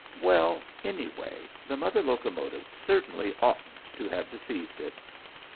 "Well, anyway, the mother locomotive certainly oughtn't to have deceived it.